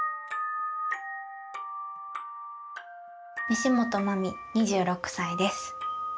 西本茉美２６歳です。